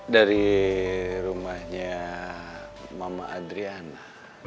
dari rumahnya mama adriana